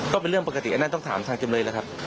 ก็เป็นเรื่องปกติอันนั้นต้องถามทางจำเลยแล้วครับ